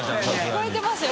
聞こえてますよ